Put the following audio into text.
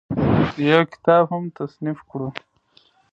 يو کتاب هم تصنيف کړو